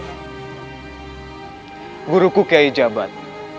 hai guru kukai jabat